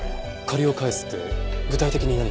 借りを返すって具体的に何か？